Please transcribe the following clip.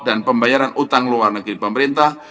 dan pembiayaan utang luar negeri pemerintah